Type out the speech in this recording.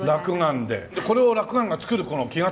でこれを落雁を作るこの木型。